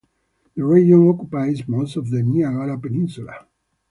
The region occupies most of the Niagara Peninsula.